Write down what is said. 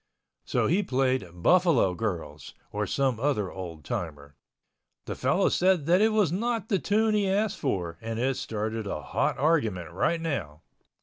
So he played "Buffalo Girls," or some other old timer. The fellow said that it was not the tune he asked for and it started a hot argument right now.